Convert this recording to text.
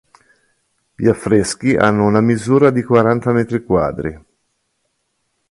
Gli affreschi hanno una misura di quaranta mq.